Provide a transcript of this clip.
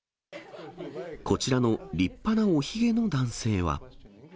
こちらの立派なおひげの男性は。